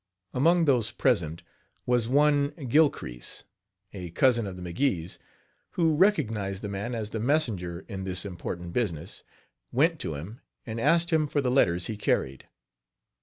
Among those present was one Gilcrease, a cousin of the McGees, who recognized the man as the messenger in this important business, went to him and asked him for the letters he carried.